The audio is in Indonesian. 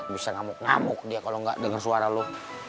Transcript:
bisa ngamuk ngamuk dia kalo gak denger suara lo